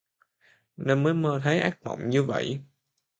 nên mới mơ thấy ác mộng như vậy